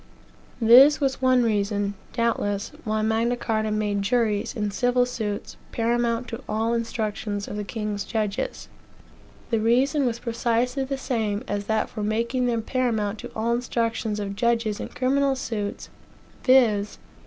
This was one reason, doubtless, why Magna Carta made juries, in civil suits, paramount to all instructions of the king's judges. The reason was precisely the same as that for making them paramount to all instructions of judges in criminal suits, viz.